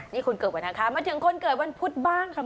ที่คุณเกิดไว้นะครับ